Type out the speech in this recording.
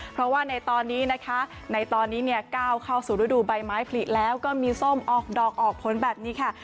เพราะว่าในตอนนี้ก้าวเข้าสู่ฤดูบ่ายไม้ผลิตแล้วก็มีส้มออกดอกออกผลแบบนี้ค่ะ